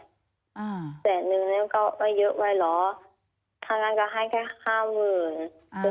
อ่าแสนหนึ่งนึงก็ไม่เยอะไว้เหรอทางนั้นก็ให้แค่ห้าหมื่นอ่า